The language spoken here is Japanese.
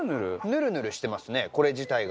ヌルヌルしてますねこれ自体が。